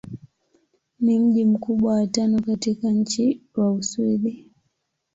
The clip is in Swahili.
Ni mji mkubwa wa tano katika nchi wa Uswidi.